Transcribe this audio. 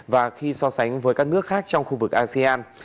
và khi so sánh với các nước khác trong khu vực asean